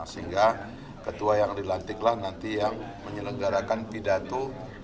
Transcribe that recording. sehingga ketua yang dilantiklah nanti yang menyelenggarakan pidato